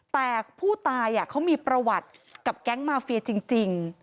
แต่ผู้ตายเขามีประวัติกับแก๊งมาเฟียจริง